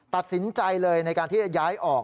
ตัดสินใจเลยในการที่จะย้ายออก